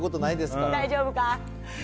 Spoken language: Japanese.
大丈夫か？